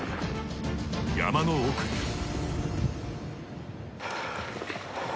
山の奥へ。